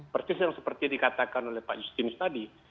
persis yang seperti dikatakan oleh pak justinus tadi